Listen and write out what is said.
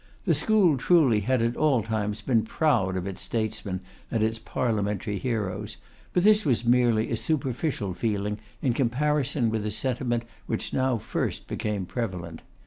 The school truly had at all times been proud of its statesmen and its parliamentary heroes, but this was merely a superficial feeling in comparison with the sentiment which now first became prevalent.